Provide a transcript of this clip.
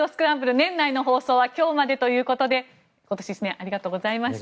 年内の放送は今日までということで今年１年ありがとうございました。